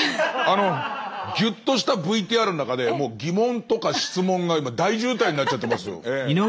あのギュッとしたＶＴＲの中で疑問とか質問が大渋滞になっちゃってますよ。